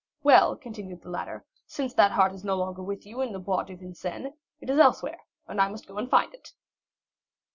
"Well," continued the latter, "since that heart is no longer with you in the Bois de Vincennes, it is elsewhere, and I must go and find it."